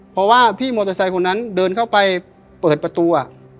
เพราะว่าพี่มอเตอร์ไซค์คนนั้นเดินเข้าไปเปิดประตู